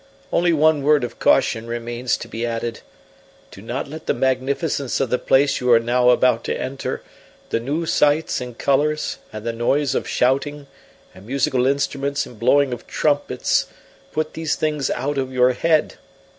Only one word of caution remains to be added. Do not let the magnificence of the place you are now about to enter, the new sights and colours, and the noise of shouting, and musical instruments and blowing of trumpets, put these things out of your head.